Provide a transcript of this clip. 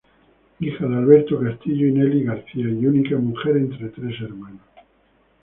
Hija de Alberto Castillo y Nelly García, y única mujer entre tres hermanos.